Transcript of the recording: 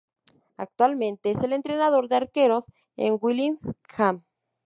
Actualmente es el entrenador de arqueros en Gillingham.